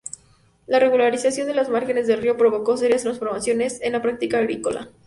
La regularización de las márgenes del río provocó serias transformaciones en la práctica agrícola.